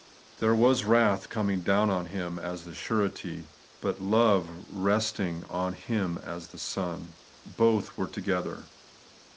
There was wrath coming down on Him as the Surety, but love rest ing on Him as the Son. Both were together.